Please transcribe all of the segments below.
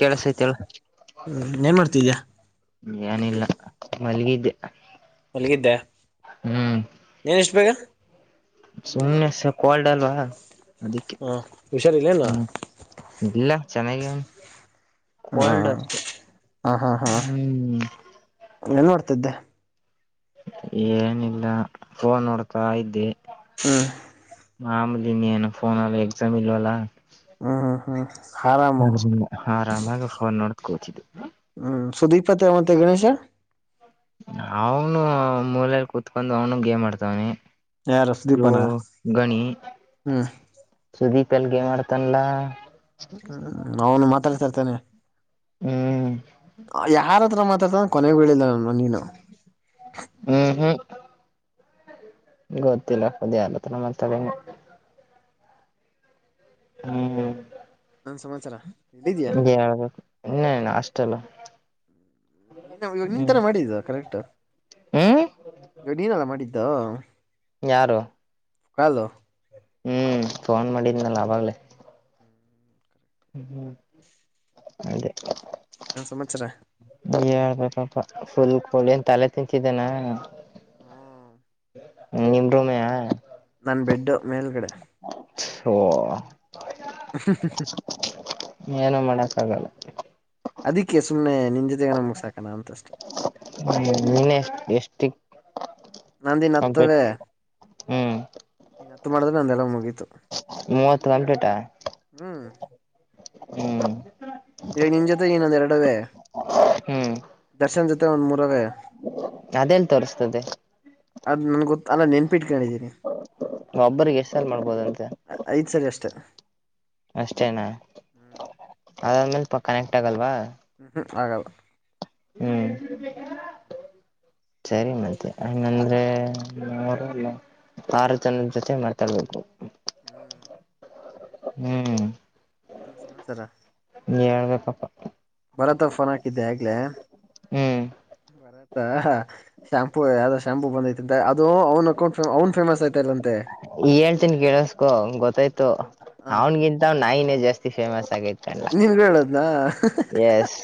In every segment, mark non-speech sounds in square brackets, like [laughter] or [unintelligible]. ಕೆೇಳಸತಿೇ ಹೇಳು ಹ್ಮ್ ಏನ್ ಮಾಡ್ತಿದ್ಯಾ ಏನಿಲ್ಲ ಮಲ್ಲಿಗಿದ್ದೆ ಮಲ್ಗಿದೆ ಹೂ ಸುಮ್ನೆ ಸಪ್ ಸ ಕೋಲ್ಡ್ ಅಲ್ವಾ ಅದಿಕ್ಕೆ ಹ ಹುಷಾರಿಲ್ಲೇನು ಹೂ ಇಲ್ಲ ಚೆನ್ನಾಗೆ ಅವ್ನ್ ಹಾ ಕೋಲ್ಡ್ ಅಷ್ಟೆ ಹ ಹಾ ಹಾ ಹೂ ಏನ್ ಮಾಡ್ತಿದೆ ಏನಿಲ್ಲ ಫೋನ್ ನೋಡ್ತಾ ಇದ್ದೆ ಹೂ ಮಾಮಲಿ ನೀ ಏನಫೋನ್ ಅಲ್ಲ ಎಕ್ಸಾಮ್ ಇಲ್ವಲ್ಲ ಹ್ಮ್ ಹ್ಮ್ ಹ್ಮ್ ಆರಾಮು ಹಾಗ ಹ ಆರಾಮಾಗಿ ಅವ ನೋಡಕೋತಿದ್ದು ಹೂ ಸುದೀಪ್ತ ಮತ್ತೆ ಗಣೇಶ ಅವನು ಮೂಲೆೆಯಲ್ಲಿ ಕುೂತ್ಕೊಂಡ್ ಅವ್ನು ಗೇಮ್ ಆಡ್ತಾವನೆ ಯಾರು ಇ ಸುದೀಪನ ಗಣಿ ಹ್ಮ್ ಸುದೀಪ್ ತ್ತಲ್ಗ ಗೇಮ್ ಆಡ್ತಾನಲ್ಲ ಹೂ ಅವ್ನ್ ಮಾತಾಡ್ತಾ ಇರ್ತಾನೆ ಹ್ಮ್ ಯಾರತ್ರ ಕೊನೆಗೆ ಹೇಳಿಲ್ಲ ಅವ್ನು ಹೂ ಹೂ ಗೊತ್ತಿಲ್ಲ ಹದಿಯಲ್ಲತ್ರಮ್ಮ ಹ್ಮ್್ಮ ನನ್ ಸಮಾಚಾರ ಎಲ್ಲಿದ್ಯಾ ಹೇಳ್ಬೇಕು ಇನ್ನೇನು ಹಾಸ್ಟೆಲ್ ಇವಾಗ ನಿನ್ಂತನ ಮಾಡಿದ್ದ ಕರೆಕ್ಟ್ ಹ್ಮ್ ಈವ ನೀನೆಲ್ಲ ಮಾಡಿದ್ದಾ ಯಾರು ಹಲೋ ಹ್ಮ್ ಫೋನ್ ಮಾಡಿದ್ನಲ್ಲ ಆವಾಗ್ಲೇ ಹ್ಮ ಹ್ಮ್ ಅದೇ ಹಾ ಏನ್ ಸಮಾಚಾರ ಪ ಫುಲ್ ಕೋಳಿನ್ ತಲೆ ತಿಂತಿದ್ದನಾ ಹ್ಮ್ ನಿನ್ ರೂಮಯ ನನ್ ಬೆಡ್ ಮೇಲ್ಗಡೆ ಓ [unintelligible] ಏನೂ ಮಾಡಕ್ಕ ಆಗಲ್ಲ ಅದಿಕ್ಕೆ ಸುಮ್ನೆ ನಿನ್ ಜೊತೆಗ ನ ಮುಗ್ಸಾಕಣ ಅಂತಸ್ಟೆ ಹ್ಮ್ ನೀನೆ ಎಷ್ಟ ಎಷ್ಟ ನಂದಿನ್ ಕಂಪ್ಲೀಟ್ ಹತ್ತದೆ ಹ್ಮ್ ಹತ್ ಮಾಡಿದ್ರೆ ನನ್ದೆಲ್ಲ ಮುಗಿತು ಮೂವತ್ತು ಕಮ್ಪ್ಲೇಟಾ ಹ್ಮ್ ಹ್ಮ ಈಗ ನಿನ್ ಜೊತೆ ಇನ್ನೊಂದ್ ಎರಡವೇ ಹ್ಮ್ [unintelligible] [unintelligible] ಅದೆಲ್ ತೋರ್್ತದೆ ಅದು ನನ್ ಗೊತ್ತ ಅಲ್ಲ ನಿನ್ ಿಟ್ಿದ್ದೀನಿ ಒಬ್ಬರಿಗೆ ಎಷ್ಟ್ ಸಲ್ ಮಾಡ್ಬೋದಂತೆ ಐದ ಸರಿ ಅಷ್ಟೇ ಅಷ್ಟೇನಾ ಹ್ಮ್ ಅದಾದ್ಮೇಲೆ ಕನೆಕ್ಟ್ ಆಗಲ್ವಾ ಹ್ಮ್ ಹ್ಮ್ ಆಗಲ್ಲ ಹ್ಮ್ ಹ [unintelligible] ಸರಿ ಮತ್ತೆ ಂಗಂದ್ರೆ ಆರು ಜನರ ಜೊತೆ ಮಾತಾಡ್ಬೇಕು ಹ್ಮ್ ಹ್ಮ್ ಹ್ಮ ಏನ್ ಸಮಾಚಾರ ಹೇಳ್ಬೇಕಪ್ಪ ಲ ಹ್ಮ್ ರ ಶಾಂಪೂ ಯಾವ್ದೋ ಶಾಂಪೂ ಬಂದೈತಿ ಅಂತ ಅದು ಅವ್ಕೊಂಡ ಅವ್ನ್ ಫೇಮಸ್ ಐತ ಹೇಳ್ತನ್ಿ ಕೇಳಸ್ಕೊ ಗೊತ್ತಾಯ್ತು ಹ ಅವನ್ಗಿಂತ ಅವ ನಾಯಿನೇ ಜಾಸ್ತಿ ಫೇಮಸ್ ಆಗತ್ ನೀನ್ಗ್ ಹೇಳುದ್ನ ಎಸ್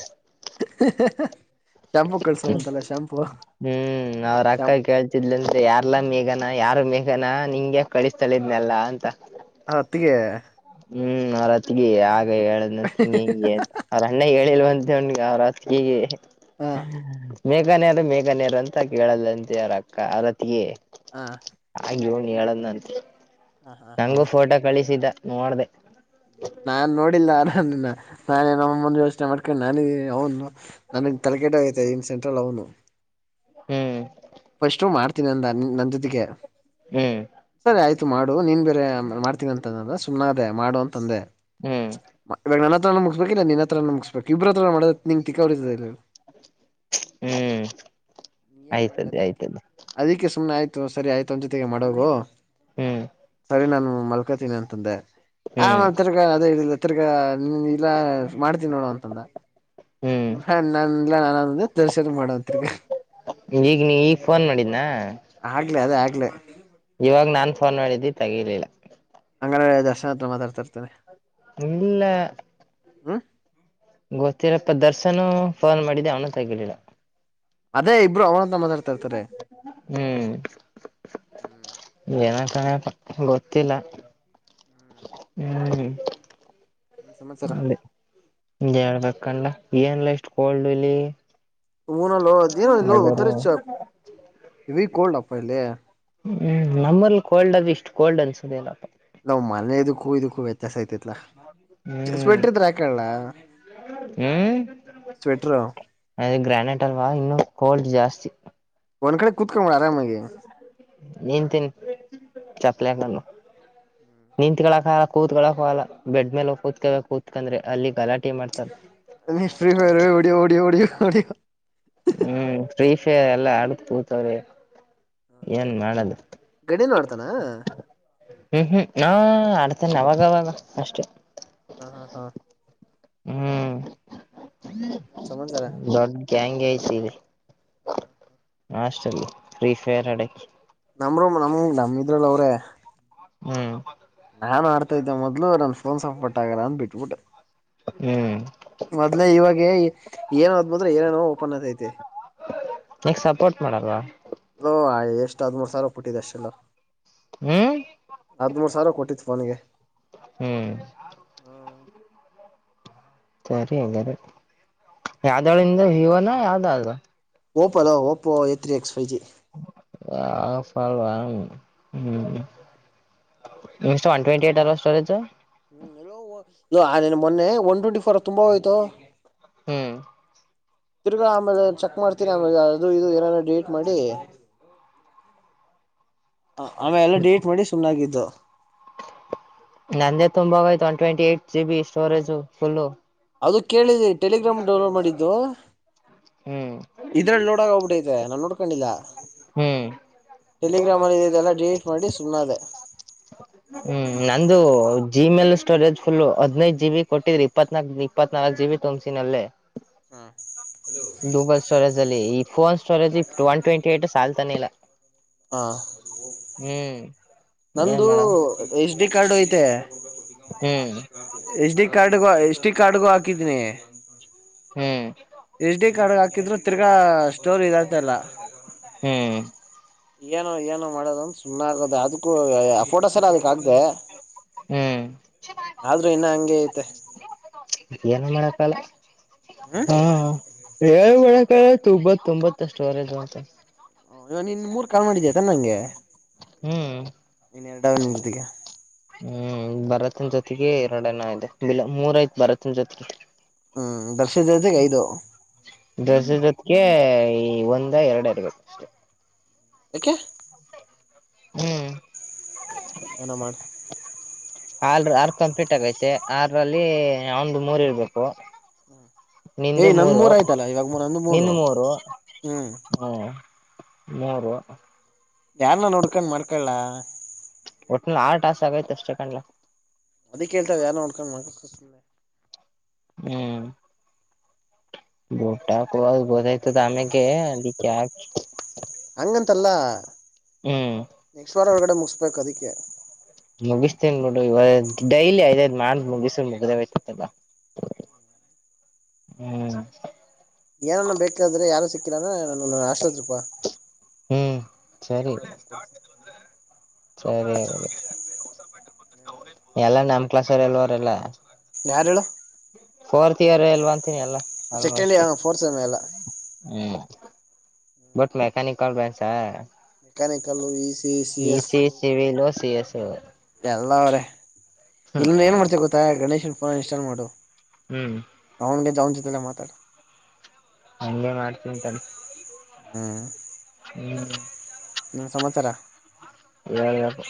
ಶಾಂಪೂ ಕಳಿಸೋನಂತನಲ್ಲ ಶಾಂಪು ಹ್ಮ್ ಅವ್ರಕ್ಕ ಕೇಳ್ತಿದ್ಲಂತೆ ಯಾರ್ಲ್ಲ ಮೇಘನಾ ಯಾರು ಮೇಘನಾ ನಿನಗ್ಯಾಕೆ ಕಳಿಸ್ತಾಳೆ ಇದ್ನೆಲ್ಲ ಹ ಹೊತ್ತಿಗೆ ಹ್ಮ್ ಅವ್ರತಿಗೆ ಆಗ ಹೇಳದ್ಂತೆ ನಿಂಗೆ ಅಂತ ಅವ್ರ ಅಣ್ಣ ಹೇಳಿಲ್ವಂತ [unintelligible] ಅವ್ರ್ ಅತ್ತ್ಗೆಗೆ ಹಾ ಮೇಘನ್ಯರು ಮೇಘನ್ಯರು ಅಂತ ಕೇಳಲ್ಲಂತೆ್ರ ಅಕ್ಕ ಅವರತಿಗೆ ಹ ಹೇಳದಂತ ಹ ಹ ಹ ನಂಗು ಫೋಟೋ ಕಳಿಸಿದ್ದ ನೋಡ್ದ ನಾನ್ ನೋಡಿಲ್ಲ ಆರಾಮಿನ ನಾನೇ ನಮ್ಮಂದ ಯೋಚನೆ ಮಾಡ್ಕೊಂಡು ನಾನ ಅವನು ನಾನ ತಲಕೇಟೋಗೈತೆ ಇನ್ ಸೆಂಟ್ರಲ್ ಅವನು. ಹ್ಮ್ ಫಸ್ಟ್ ಮಾಡ್ತೀನಿ ಅಂದ ನನ್ ಜೊತೆಗೆ ಹ್ಮ್ ಸರಿ ಆಯ್ತು ಮಾಡು ನೀನ್ ಬೇರೆ ಮಾಡ್ತೀನಿ ಅಂತಂದ್ರೆ ಸುಮನೆ ಅದೇ ಮಾಡು ಅಂತ ಅಂದೆ ಹ್ಮ್ [unintelligible] ಮುಗ್ಬೇಕ ಇಲ್ಲ ನಿನ್ನ ಹತ್ರ ಮುಗ್ಬೇಕು ಇಬ್ರಾತ್ರನು ಮಡಕೆನ್ [unintelligible] ಹ್ಮ್ ಏನ್ ಆಯ್ತದೆ ಮಾಡ್ಲಿ ಆಯ್ತದೆ ಅಧಿಕ ಸುನೆ ಆಗಿದ್ ಸರಿ ಆಯ್ತು ಅವನ್ ಜೊತೆಗೆ ಮಾಡೋಗು ಹ್ಮ್ ಸರಿ ನಾನು ಮಲ್ಕಂತಿನಿ ಅಂತಂದೆ ಹ್ಮ್ ನಾನು ತಿರ್ಗ ಅದೇ ಇಲ್ಲ ತಿರ್ಗಾ ಇಲ್ಲಾ ಮಾಡ್ತೀನಿ ನೋಡು ಅಂತಂದೆ ಹ್ಮ್ ಹಾ [unintelligible] ನನ್ನ ದರ್ಶನ ಮಡವಂತ್ರಿ ಈಗ ನೀ ಈಗ ಫೋನ್ ಮಾಡಿದನಾ ಅದೆ ಆಗ್ಲೆ. ಇವಾಗ ನಾನ್ ಫೋನ್ ಮಾಡಿದ್ದೆ ತಗಿಲಿಲ್ಲ. ಹಂಗಾದ್ರೆ ದರ್ಶನ ಹತ್ರ ಮಾತಾಡ್ತಾ ಇರ್ತೇನೆ. ನಿಮ್ಬಿಲ್ಲ ಹ ಗೊತ್ತಿರುತ್ತೆ ದರ್ಶನು ಫೋನ್ ಮಾಡಿದ್ದೆ ಅವನು ತಗಿಲಿಲ್ಲ. ಅದೇ ಇಬ್ರು ಅವನ್ ಹ್ಮ್ ಹ್ಮ್ ಏನ [unintelligible] ಗೊತ್ತಿಲ್ಲ ಹ್ಮ್. ಸಮಾಚಾರ [unintelligible] ಹೇಳ್ಬೇಕಲ್ಲ ಎನ್ನ್ಲಾ ಇಷ್ಟು ಕೋಲ್ಡ್ ಇಲ್ಲಿ. ಹೂ ನಾಲೋ ಯದಾರ [unintelligible] ಯಾವಿ ಕೋಲ್ಡ್ ಅಪ್ಪ ಇಲ್ಲಿ. ಹ್ಮ್ ನಮ್ಮಲ್ಲಿ ಕೋಲ್ಡ್ ಅದು ಇಷ್ಟು ಕೋಲ್ಡ್ ಅನ್ನ್ಸಾದಿಲ್ಲಪ್ಪ. ಮನೆದಕ್ಕೂ ಇದಕ್ಕೂ ವ್ಯತ್ಯಾಸ ಆಐತಿತ್ಲ ಹ್ಮ್ ಸ್ವೆಟ್ರಿಡ್ರೆ ಇದ್ರೆ ಹಕ್ಯಾಲ ಸ್ವೆಟರು ಅದೇ ಗ್ರಾನೇಟ್ ಅಲ್ವಾ ಇನ್ನು ಕೋಲ್ಡ್ ಜಾಸ್ತಿ. ಒನ್ಖಡೆ ಕುೂತ್ಕ ಆರಾಮಾಗಿ ಚಕ್ಲಾ ನಾನು. ನಿಂತ್ಕಳಕ್ಕೂ ಆಗಲ್ಲ ಕೂತ್ಗಳಕಗಲ್ಲ ಬೇಡ್ಮೇಲೆ ಹೋಗಿ ಕೂತಾಗ ಬೇಕೆಂದ್ರೆ ಕೂತ್ಕಂದ್ರೆ ಅಲ್ಲಿ ಗಲಾಟೆ ಮಾಡ್ತಾರೆ ಅ ಫ್ರೀ ಫೈರ್ ಹೊಡಿಯೋ ಓಡೋ ಹೊಡಿಯೋ ಹೊಡೋ. ಹ್ಮ್ ಫ್ರೀಫ ಎಲ್ಲ ಆಡ ಕೂತವೆ ಏನ್ ಮಾಡದು. [unintelligible] ಮಾಡೋಡ್ತಾನ. ಹ್ಮ್ ಹ್ಮ್ ಆಡ್ತಾನೆ ಅವಾಗವಾಗ ಅಷ್ಟೆ. ಹಾ ಹಾ ಹಾ ಹ್ಮ್ ಇನ್ ಎನ್ ಸಮಾಂಸಾರ. [unintelligible] ಐಸಿರಿ [unintelligible] ಫ್ರೀಫರ್ ಅಡಕೆ [unintelligible] ನಮದರಲ್ ಅವ್ರೇ. ಹ್ಮ್ ನಾನ್ ಆಡ್ತಾ ಇದ್ದೆ ಮೊದಲು ನನ್ನ ಫೋನ್ ಸೊಪರ್ಟ್ ಆಗಲ್ಲಾ ಅಂತ ಬಿಟ್ಟುಬಿಟ್ಟೆ ಹ್ಮ್ ಮೊದ್ಲೇ ಇವಾಗ ಏನೋದ ಬಂದ್ರೆ ಏನೇನೋ ಓಪನ್ ಆಗ್ತೈತೆ ನನಿಗೆ ಸಪೋರ್ಟ್ ಮಾಡಲ್ಲ ಓ ಎಷ್ಟು ಹದ್ಮೂರು ಸಾವಿರ ಕೊಟ್ಟಿದ್ದೆ ಅಷ್ಟೆಲ್ಲ ಹ್ಮ್ ಹದ್ಮೂರ್ ಸಾವಿರ ಕೊಟ್ಟಿತ್ತು ಫೋನಿಗೆ ಹ್ಮ್ ಹ್ಮ. ಸರಿ ಹಾಗ ಯ್ದಳಿಂದ ಹವನಾ ಯಾವ್ದಳ. ಓಪೋದ Oppo A three X Y G. ಹಪಲಾ ಹ್ಮ್. [unintelligible] ಒನ್ ಟ್ವೆಟಿ ಸ್ಟಜ್ [unintelligible] [unintelligible] ನಿನ್ ಮೊನ್ನೆ ಒನ್ ಟ್ವೆಂಟಿ ಫೋರ್ ತುಂಬಾ ಹೋಯ್ತು ಹ್ಮ್ ತಿರ್ಗಾ ಆಮೇಲೆ ಚೆಕ್ ಮಾಡ್ತೀನಿ ಆಮೇಾಲೆ ಅದು ಇದು ಏನಾರ ಡಿಲೀಟ್ ಮಾಡಿ ಹ ಆಮೆಲ್ ಎಲ್ಲ ಡಿಲೀಟ್ ಮಾಡಿ ಸುಮ್ನಾಗಿದ್ದ ನಂದೇ ತುಂಭೋಗಯ್ತು ಒನ್ ಟ್ವೆಂಟಿ ಏ ಜಿ ಬಿ ಸ್ಟೋರೇಜು ಫುಲ್ಲ ಅದು ಕೇಳಿದೆ ಟೆಲಿಗ್ರಾಮ್ ಡೌನ್ಲೋಡ್ ಮಾಡಿದ್ದು ಹ್ಮ್ ಇದ್ರಲ್ಲಿ ನೋಡಾಗ ಹೋಗ್ಬಿಡೈತೆ ನಾನ್ ನೋಡ್ಕೊಂಡಿಲ್ಲ ಹ್ಮ್ ಟೆಲಿಗ್ರಾಮ್ಲ್ಲಿ ಇ ಇದೆಲ್ಲ ಡಿಲೀಟ್ ಮಾಡಿ ಸುಮನದೇ ಹ್ಮ್ ನಂದು [unintelligible] ಜಿ ಮೇ ಸ್ಟೋರೇಜ್ ಫುಲ್ ಹದಿನೇದು ಜಿ ಬಿ ಕೊಟ್ಟಿದ್ರಿ ಇಪ್ಪತ್ನಾಲ್ ಇಪ್ಪತ್ನಾಲ್ಕು ಜಿ ಬಿ ತುಂಬ್ಸಿನಲ್ಲಿ [unintelligible] ಲ್ಲಿ [unintelligible] ಈ ಫೋನ್ ಸ್ಟೋರೇಜ್ ಇ ಒನ್ ಟ್ವೆಂಟಿ ಏಟ್ ಸಾಲ್ತಾನೆ ಇಲ್ಲ ಹಾ ಹ್ಮ್ [inaudible] ಏನ್ ನಂದು ಮಾಡ [unintelligible] ಡಿ ಕಾರ್ಡ್ ಐತೆ ಹ್ಮ್ ಎಚ್ ಡಿ ಕಾರ್ಡ್ [unintelligible] ಷ್ಟಿಕ್ ಅಡ್ಗು ಹಾಕಿದನಿ ಹ್ಮ್ ಎಚ್ ಡಿ ಕಾರ್ಡ್ ಹಾಕಿದ್ರು ತಿರ್ಗಾ ಸ್ಟೋರ್ ಇದತಲ್ಲ ಹ್ಮ್ ಏನೋ ಏನೋ ಮಾಡದಂತ ಸುಮ್ಮನೆ ಆಗದೆ ಅದಕ್ಕೂ ಆ ಫೋಟೋ ಸರಿ ಅದಕ್ಕ ಆಗದೆ ಹ್ಮ್ ಆದ್ರೂ ಇನ್ನ ಹಂಗಗೆ ಐತೆ [unintelligible] ಹ ಹಾ ಏನ್ ಮಾಡಕ್ಕಾಗಲ್ಲ ತುಂಬ ತೊಂಬತ್ತಷ್ಟು ಸ್ಟೋರೇಜ್ ಅಂತ [unintelligible] ಇವಗ್ ನಿನ್ ಮೂರ್ ಕಾಲ್ ಮಾಡಿದ್ದೇತ ನಂಗೆ ಹ್ಮ್ ಇನ್ ಎರಟಾವನ ಜೊತೆಗೆ ನಿನ್ ಜೊತೆಗೆ ಎರಡನ ಇದೆ ಮೂರೈತತ್ ಭರತನ ಜೊತೆಗೆ [unintelligible] ಹ್ಮ್ ದರ್ಶತೆಗೆ ಐದು [unintelligible] ಒಂದ ಎರಡರ್ಬೇಕ ಏಕೆ ಹ್ಮ್ [inaudible] ಎನೊಮಾಡ ಆಲ್ ಆರ್ ಕಂಪ್ಲೀಟ್ ಆಗೈತೆ ಆರಲ್ಲಿ ಅವ್ನ್ದು ಮೂರ್ ಇರ್ಬೇಕು ಹ್ಮ್ ನಿಂದು ಮೂರು ನಿಂದ ಮೂರು ಹ್ಮ್ ಹ್ಮ ಮೂರು [unintelligible] ಯಾರ್ನ ನುಡ್ಕೊಂಡ್ ಮಾಡ್ಕಳ್ಳ ಚೆಕಂಡ್ [unintelligible] ಅದಿ ಕೇಳ್ತಾ ಯಾರ ನೋಡ್ಕೊಂಡ್ ಮಾಡಕೆ [unintelligible] ಹ್ಮ್ ಬುಟ್ಟಾಕು ಗೊತ್ತಾಗ್ತಾ ಇದೆ ಆಮೇಕೆ [unintelligible] ಹಂಗಂತಲ್ಲ ನೆಕ್ಟ್ ವಾರ ಒಳಗಡೆ ಮುಗಿಸಬೇಕು ಅದಕ್ಕೆ ಮುಗಿಸ್ತೇನ್ ಬಿಡು ಇವಾಗ ಡೈಲಿ ಐದಐದ್ ಮಾಡ ಮುಗಿಸ್ರ ಮುಗ್ದೇಬೇಕೇಕತ್ತಲ್ಲ [inaudible] ಹ್ಮ್ ಏನಾನ ಬೇಕಾದ್ರೆ ಯಾರು ಸಿಕ್ಕಿಲ್ಲಾನ ನನ್ ಆಸ್ಲತ್ಗ್ ಬಾ ಹ್ಮ್ ಸರಿ ನಾನೇ [unintelligible] ನೋಡ್ಕೊಡ್ತೀನಿ ಸರಿ ಹಾಗ [unintelligible] ಎಲ್ಲ ನಮ್ ಕ್ಲಾಸ್ರ್ [unintelligible] ಎಲ್ಲವರೆಲ್ಲ ಯಾರ್ ಹೇಳು ಫೋರ್ತ್ ಇಯರ್ ಎಲ್ವಾಂತೀನಿ ಅಲ್ಲ second almost year fourth sem ಎಲ್ಲ ಹ್ಮ್ ಬಟ್ ಮೆಕ್ಯಾನಿಕಲ್ ಬನ್ಸ mechanical E C C E S ಸವ ಸ ಎಲ್ಲ ಅವರೇ ಇಲ್ಲಿಂದ ಏನ್ ಹ್ಮ್ ಮಾಡ್ತ ಗೊತ್ತಾ ಗಣೇಶನ್ ಫೋನ್ ಇನ್ಸ್ಟಾಲ್ ಮಾಡು ಹ್ಮ್ ಅವನ್ಗೆ ಜನ್ಚಿತಲ್ಲ ಮಾತಾಡ ಇಲ್ಲೆ ಮಾಡ್ತೀಂತಾನ ಹ್ಮ್ ಹ್ಮ್ ನ ಸಮಾಚಾರ ಹೇಳ್ಬೇಕು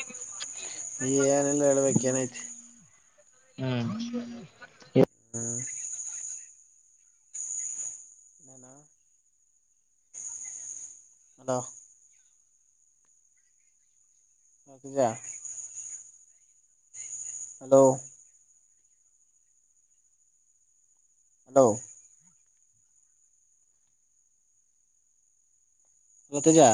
ನೀ ಏನೆಲ್ಲ ಹೇಳ್ಬೇಕ ಏನೈತಿ ಹ್ಮ್ [inaudible] ಹ್ಮ್ [inaudible] ನಾನ [unintelligible] ಅದ [inaudible] ಹಜ [inaudible] ಹಲೋ ಹಲೋ ಅತ್ತಜಾ